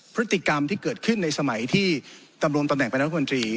พฤติกรรมที่เกิดขึ้นในสมัยที่ตำรงตำแหน่งเป็นรัฐมนตรี